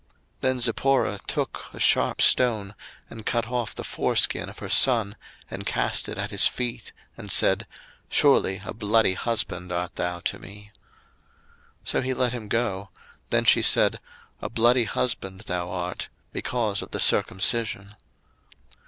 02:004:025 Then Zipporah took a sharp stone, and cut off the foreskin of her son, and cast it at his feet, and said, Surely a bloody husband art thou to me. 02:004:026 So he let him go: then she said, A bloody husband thou art, because of the circumcision.